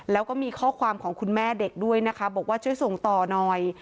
แล้วก็มีข้อความของคุณแม่เด็กด้วยนะคะบอกว่าช่วยส่งต่อหน่อย